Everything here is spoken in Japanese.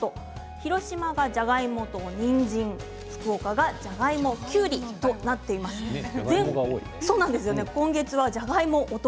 広島はじゃがいもと、にんじん福岡がじゃがいも、きゅうりじゃがいもが多いね。